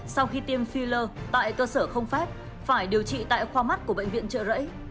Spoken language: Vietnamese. sau khi tiêm filler tại cơ sở không phép phải điều trị tại khoa mắt của bệnh viện trợ rẫy